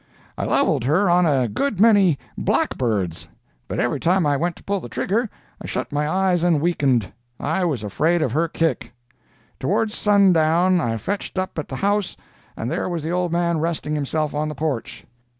I levelled her on a good many blackbirds, but every time I went to pull the trigger I shut my eyes and weakened: I was afraid of her kick. Towards sundown I fetched up at the house, and there was the old man resting himself on the porch.